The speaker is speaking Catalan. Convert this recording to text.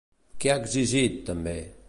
Què ha exigit, també?